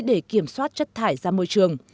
để kiểm soát chất thải ra môi trường